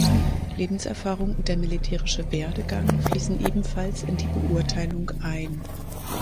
Lebenserfahrung und der militärische Werdegang fließen ebenfalls in die Beurteilung ein.